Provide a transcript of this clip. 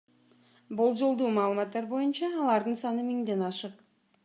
Болжолдуу маалыматтар боюнча, алардын саны миңден ашык.